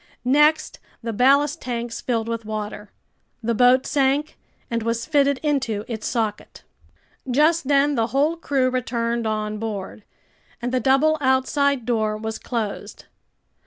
Next the ballast tanks filled with water, the boat sank, and was fitted into its socket. Just then the whole crew returned on board, and the double outside door was closed.